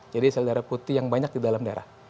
jadi sel darah putih yang banyak di dalam darah